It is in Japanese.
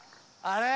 あれ？